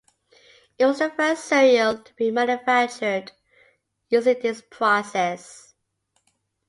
It was the first cereal to be manufactured using this process.